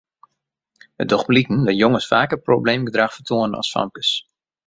It docht bliken dat jonges faker probleemgedrach fertoane as famkes.